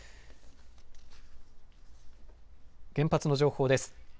原発の情報です。